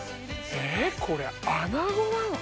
えこれアナゴなの？